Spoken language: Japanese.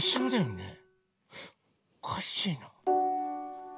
おかしいな。